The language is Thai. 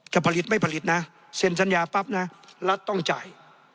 จะผลิตไม่ผลิตนะเซ็นสัญญาปั๊บนะรัฐต้องจ่าย